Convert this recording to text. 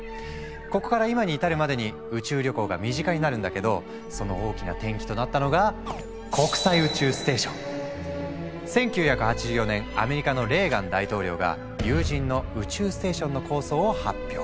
ここから今に至るまでに宇宙旅行が身近になるんだけどその大きな転機となったのが１９８４年アメリカのレーガン大統領が有人の宇宙ステーションの構想を発表。